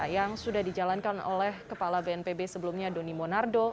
yang sudah dijalankan oleh kepala bnpb sebelumnya doni monardo